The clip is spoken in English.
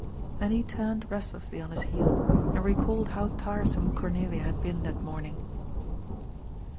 And he turned restlessly on his heel, and recalled how tiresome Cornelia had been that morning.